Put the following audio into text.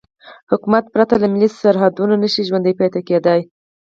حکومت پرته له ملي سرحدونو نشي ژوندی پاتې کېدای.